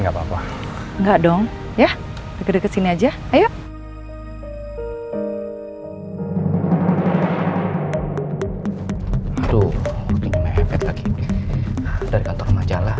nggak apa apa nggak dong ya deket deket sini aja ayo tuh lagi dari kantor majalah